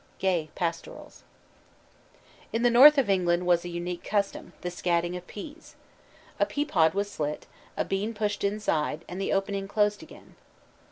GAY: Pastorals. In the north of England was a unique custom, "the scadding of peas." A pea pod was slit, a bean pushed inside, and the opening closed again.